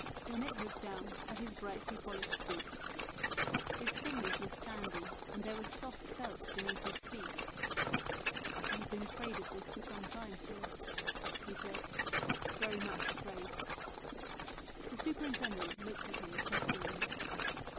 Bennett looked down at his brightly polished boots. His fingers were sandy and there was soft felt beneath his feet. " I have been afraid of this for some time, sir," he said, "very much afraid." The superintendent looked at him ques tioningly.